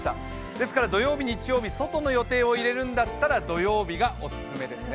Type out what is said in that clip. ですから土曜日、日曜日、外の予定を入れるんだったら土曜日がお勧めですね。